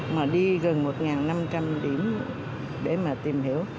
mà đi gần một năm trăm linh điểm để mà tìm hiểu